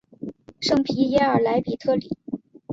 圣皮耶尔莱比特里。